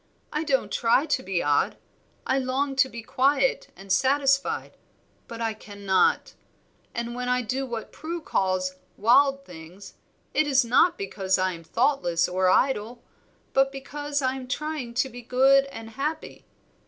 I don't try to be odd; I long to be quiet and satisfied, but I cannot; and when I do what Prue calls wild things, it is not because I am thoughtless or idle, but because I am trying to be good and happy.